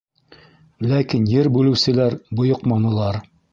Ләкин ер бүлеүселәр бойоҡманылар.